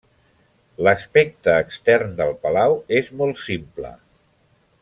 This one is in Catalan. L'aspecte extern del palau és molt simple.